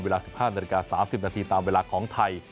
เวลา๑๕นาฬิกา๓๐นาทีตามเวลาของไทย